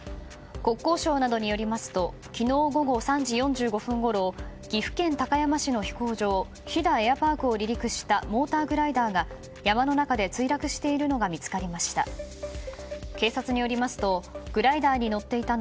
国交省などによりますと昨日午後３時４５分ごろ岐阜県高山市の飛行場飛騨エアパークを離陸したモーターグライダーが山の中で墜落しているのが見つかりました。